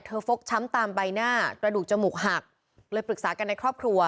ฟกช้ำตามใบหน้ากระดูกจมูกหักเลยปรึกษากันในครอบครัว